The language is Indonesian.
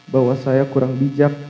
bahwa saya kurang bijak